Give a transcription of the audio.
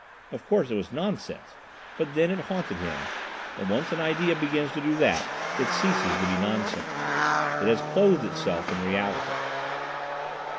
Of course it was nonsense, but then it haunted him, and once an idea begins to do that it ceases to be nonsense. It has clothed itself in reality.